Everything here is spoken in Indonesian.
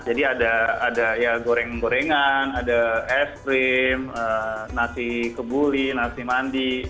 jadi ada ya goreng gorengan ada es krim nasi kebuli nasi mandi